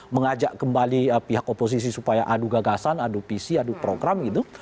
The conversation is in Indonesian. mengajak kembali pihak oposisi supaya adu gagasan adu visi adu program gitu